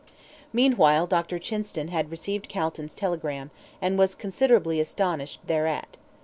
Meanwhile Dr. Chinston had received Calton's telegram, and was considerably astonished thereat.